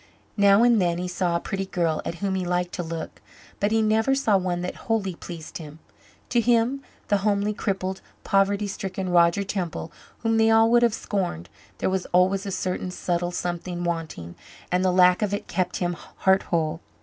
Now and then he saw a pretty girl at whom he liked to look but he never saw one that wholly pleased him. To him, the homely, crippled, poverty stricken Roger Temple whom they all would have scorned, there was always a certain subtle something wanting, and the lack of it kept him heartwhole.